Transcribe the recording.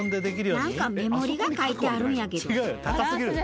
なんか目盛りが書いてあるんやけど。